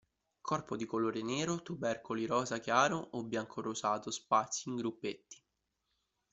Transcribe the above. Corpo di colore nero, tubercoli rosa chiaro o bianco-rosato sparsi in gruppetti.